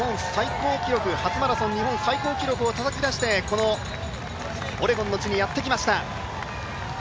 初マラソン日本最高記録をたたき出してこのオレゴンの地にやってきました。